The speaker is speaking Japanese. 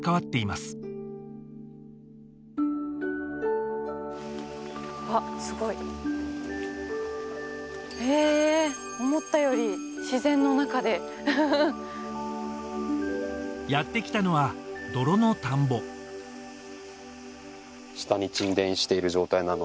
すごいへえ思ったより自然の中でフフフやって来たのは泥の田んぼ下に沈殿している状態なのではい